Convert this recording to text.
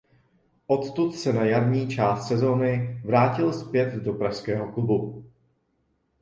Odtud se na jarní část sezony vrátil zpět do pražského klubu.